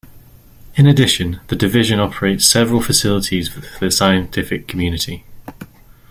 In addition, the division operates several facilities for the scientific community.